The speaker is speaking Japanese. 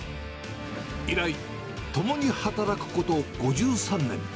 以来、共に働くこと５３年。